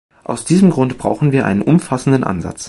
Aus diesem Grund brauchen wir einen umfassenden Ansatz.